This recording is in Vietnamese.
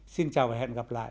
xin chào và hẹn gặp lại